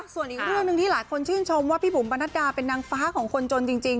ส่วนอีกเรื่องหนึ่งที่หลายคนชื่นชมว่าพี่บุ๋มประนัดดาเป็นนางฟ้าของคนจนจริง